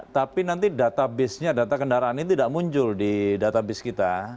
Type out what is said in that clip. tapi nanti database nya data kendaraan ini tidak muncul di database kita